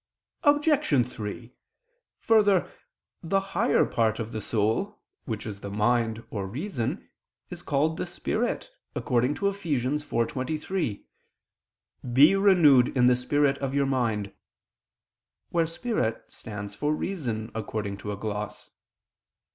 Obj. 3: Further, the higher part of the soul, which is the mind or reason, is called the spirit, according to Eph. 4:23: "Be renewed in the spirit of your mind," where spirit stands for reason, according to a gloss.